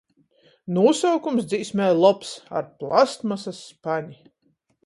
Nūsaukums dzīsmei lobs – "Ar plastmasas spani".